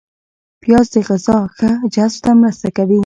پیاز د غذا ښه جذب ته مرسته کوي